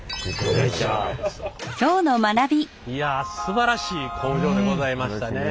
いやすばらしい工場でございましたね。